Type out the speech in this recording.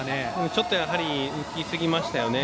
ちょっと浮きすぎましたね。